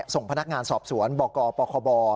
ส่งพนักงานสอบสวนบกปคบ